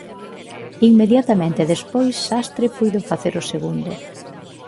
Inmediatamente despois, Sastre puido facer o segundo.